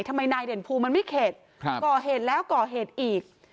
ทำไมนายเด่นภูมิมันไม่เข็ดก่อเหตุแล้วก่อเหตุอีก